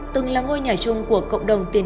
từng là ngôi nhà chung của cộng đồng tiền